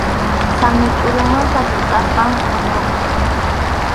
Sañu tʼurumanta llutʼasqam pʼuyñuqa.